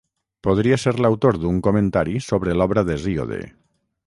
Podria ser l'autor d'un comentari sobre l'obra d'Hesíode.